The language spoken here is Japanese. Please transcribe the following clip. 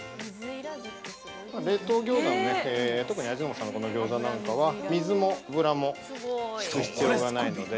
冷凍ギョーザ、特に味の素さんのギョーザなんかは、水も油も必要がないので。